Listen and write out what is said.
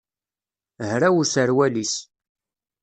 Hraw userwal-is.